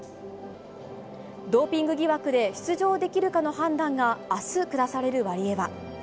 ドーピング疑惑で出場できるかの判断が明日、下されるワリエワ。